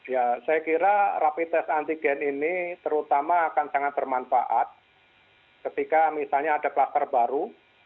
ya saya kira rapi tes antigen ini terutama akan sangat bermanfaat ketika misalnya ada kluster baru